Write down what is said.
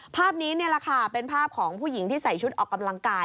ภาพนี้นี่แหละค่ะเป็นภาพของผู้หญิงที่ใส่ชุดออกกำลังกาย